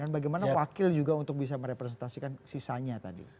dan bagaimana wakil juga untuk bisa merepresentasikan sisanya tadi